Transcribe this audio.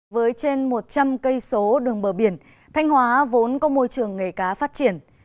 với trên một trăm linh cây số đường bờ biển thanh hóa vốn có môi trường nghề cá phát triển